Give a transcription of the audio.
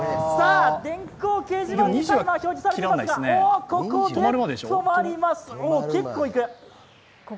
電光掲示板にタイムが表示されていますが、ここで止まりました。